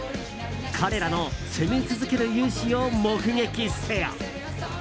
彼らの攻め続ける勇姿を目撃せよ！